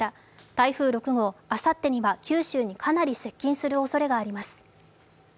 台風６号、あさってには九州にかなり接近するおそれがあります。